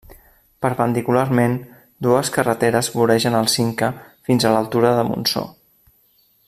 Perpendicularment, dues carreteres voregen el Cinca fins a l'altura de Montsó.